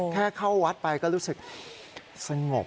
แค่เข้าวัดไปก็รู้สึกสงบ